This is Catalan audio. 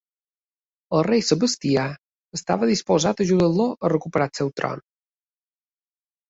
El rei Sebastià estava disposat a ajudar-lo a recuperar el seu tron.